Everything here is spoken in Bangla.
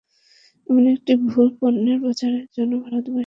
এমন একটি ভুল পণ্যের প্রচারের জন্য ভারতবাসীর কাছে ক্ষমা চেয়েছেন তিনি।